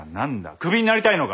クビになりたいのか？